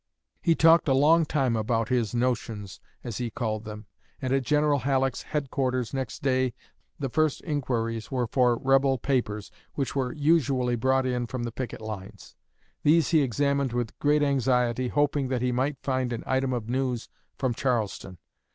He talked a long time about his 'notions,' as he called them; and at General Halleck's headquarters next day, the first inquiries were for 'rebel papers,' which were usually brought in from the picket lines. These he examined with great anxiety, hoping that he might find an item of news from Charleston.